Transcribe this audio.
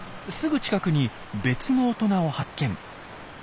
すぐ近くに別の大人を発見。